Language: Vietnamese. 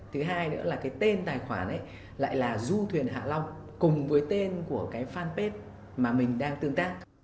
thứ hai nữa là cái tên tài khoản ấy lại là du thuyền hạ long cùng với tên của cái fanpage mà mình đang tương tác